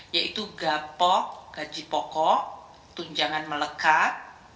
yaitu gapok gaji pokok tunjangan melekat